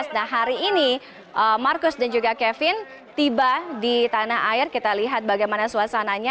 nah hari ini marcus dan juga kevin tiba di tanah air kita lihat bagaimana suasananya